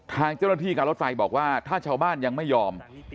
ทางเจ้าหน้าที่การรถไฟบอกว่าถ้าชาวบ้านยังไม่ยอม